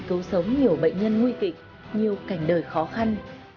cứu sống nhiều bệnh nhân nguy kịch nhiều cảnh đời khó khăn